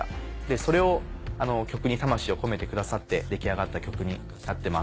それを曲に魂を込めてくださって出来上がった曲になってます。